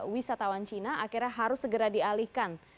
wisatawan cina akhirnya harus segera dialihkan